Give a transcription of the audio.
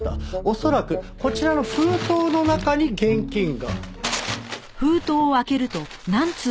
恐らくこちらの封筒の中に現金が。